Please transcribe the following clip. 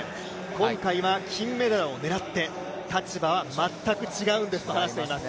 今回は金メダルを狙って立場は全く違うと話しています。